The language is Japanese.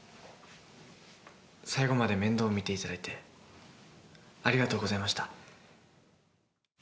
最期まで面倒見ていただいてありがとうございました。